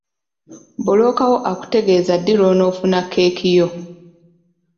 Bbulooka wo akutegeeza ddi lw'onoofuna cceeke yo.